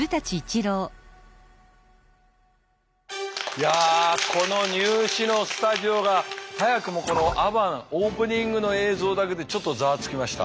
いやこの「ニュー試」のスタジオが早くもこのアバンオープニングの映像だけでちょっとざわつきました。